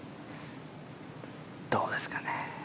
どうですかね。